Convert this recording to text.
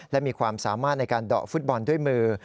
และมีความสามารถในการเดาะฟุตบอลด้วยมือ